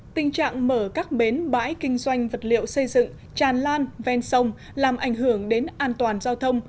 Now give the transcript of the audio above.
tình trạng mở các bến bãi kinh doanh vật liệu xây dựng tràn lan ven sông làm ảnh hưởng đến an toàn giao thông